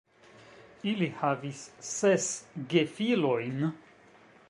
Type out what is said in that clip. Ili havis ses gefilojn.